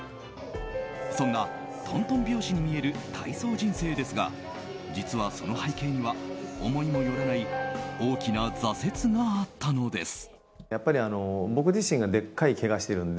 そんなトントン拍子に見える体操人生ですが実は、その背景には思いもよらない大きな挫折があったのです。